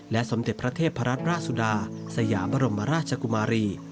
สมเด็จพระเทพรัตนราชสุดาสยามบรมราชกุมารี